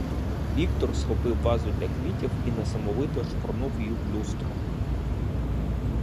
Віктор схопив вазу для квітів і несамовито шпурнув її в люстро.